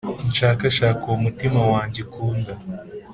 nshakashake uwo umutima wanjye ukunda.